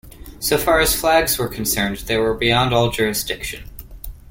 So far as flags were concerned, they were beyond all jurisdiction.